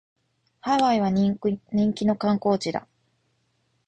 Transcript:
ハワイは人気の観光地だ